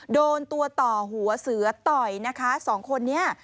โดนตัวต่อหัวเสือต่อยนะคะสองคนนี้